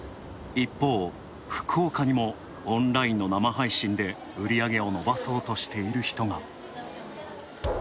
一方、福岡にもオンラインの生配信で売り上げを伸ばそうとしている人が。